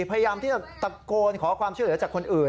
พยายามที่จะตะโกนขอความช่วยเหลือจากคนอื่น